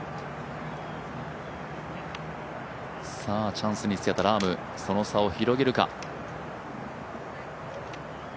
チャンスにつけたラームその差を広げるか。